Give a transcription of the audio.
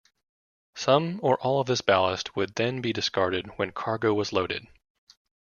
Some or all of this ballast would then be discarded when cargo was loaded.